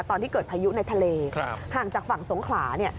ตอนที่เกิดพายุในทะเลห่างจากฝั่งสงขลาเนี่ย